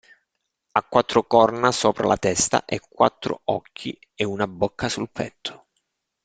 Ha quattro corna sopra la testa e quattro occhi e una bocca sul petto.